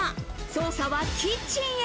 捜査はキッチンへ。